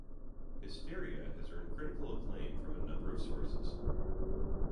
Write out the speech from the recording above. "Hysteria" has earned critical acclaim from a number of sources.